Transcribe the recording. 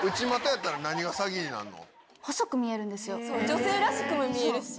女性らしくも見えるし。